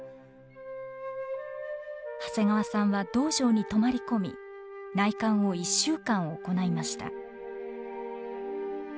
長谷川さんは道場に泊まり込み内観を１週間行いました。